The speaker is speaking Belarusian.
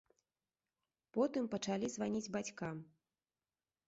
Потым пачалі званіць бацькам.